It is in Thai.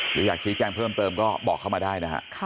หรืออยากชี้แจ้งเพิ่มเติมก็บอกเข้ามาได้นะฮะ